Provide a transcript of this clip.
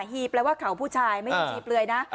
ฮีแปลว่าเขาผู้ชายไม่อยู่ฮีปลวยนะ